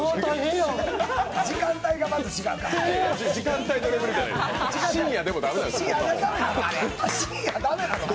時間帯がまず違いますから！